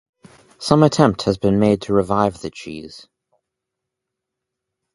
Some attempt has been made to revive the cheese.